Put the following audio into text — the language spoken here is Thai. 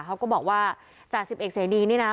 เขาก็บอกว่าจ่าสิบเอกเสดีนี่นะ